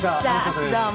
どうも。